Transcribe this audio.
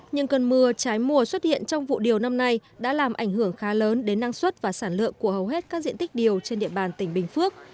những cơn mưa trái mùa xuất hiện trong vụ điều năm nay đã làm ảnh hưởng khá lớn đến năng suất và sản lượng của hầu hết các diện tích điều trên địa bàn tỉnh bình phước